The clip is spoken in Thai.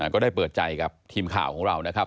ก็ได้เปิดใจกับทีมข่าวของเรานะครับ